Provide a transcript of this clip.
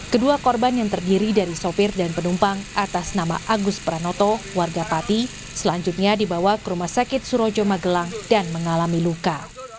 kedua korban yang terdiri dari sopir dan penumpang atas nama agus pranoto warga pati selanjutnya dibawa ke rumah sakit surojo magelang dan mengalami luka